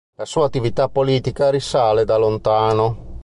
La sua attività politica risale da lontano.